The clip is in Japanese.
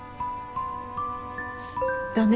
だね。